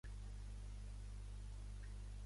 Podríem anar-hi a rebentar l'acte, no?